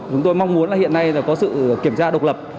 chúng tôi mong muốn hiện nay có sự kiểm tra độc lập